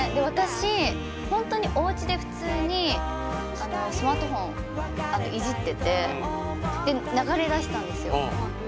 私ほんとにおうちで普通にスマートフォンいじっててで流れだしたんですよ。